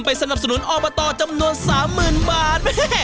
สนับสนุนอบตจำนวน๓๐๐๐บาท